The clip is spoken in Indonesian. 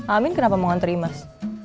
amin kenapa mau ngantri mas